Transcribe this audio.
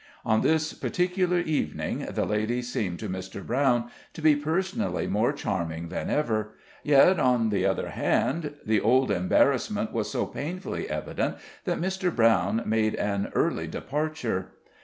On this particular evening the lady seemed to Mr. Brown to be personally more charming than ever; yet, on the other hand, the old embarrassment was so painfully evident that Mr. Brown made an early departure.